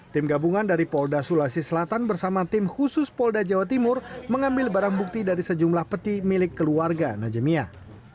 tim gabungan dari polda sulawesi selatan bersama tim khusus polda jawa timur mengambil barang bukti dari sejumlah peti milik keluarga najemiah